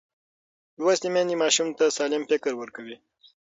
لوستې میندې ماشوم ته سالم فکر ورکوي.